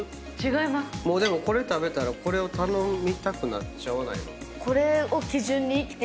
もうでもこれ食べたらこれを頼みたくなっちゃわないの？